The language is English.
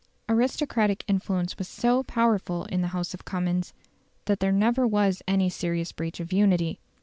Aristocratic influence was so powerful in the House of Commons, that there never was any serious breach of unity.